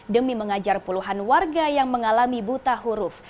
demi mengajar puluhan warga yang mengalami buta huruf